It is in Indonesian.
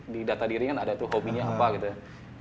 di data diri kan ada tuh hobinya apa gitu ya